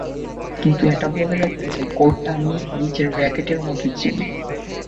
কিন্তু এটা বলে রাখতে চাই, কোর্টটা আমি নিজের র্যাকেটের মতোই চিনি।